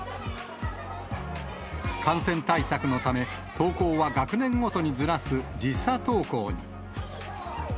感染対策のため、登校は学年ごとにずらす時差登校に。